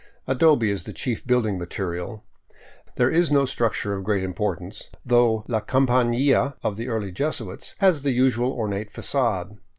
Adobe is the chief building material; there is no structure of great importance, though " La Compania " of the early Jesuits has the usual ornate facade.